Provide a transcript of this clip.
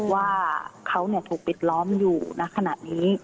ว่าเขาถูกปิดล้อมอยู่ณขณะนี้